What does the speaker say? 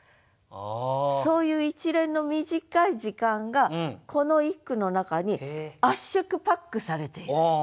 そういう一連の短い時間がこの一句の中に圧縮パックされていると。